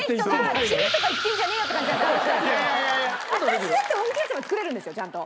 私だって本気出せば作れるんですよちゃんと。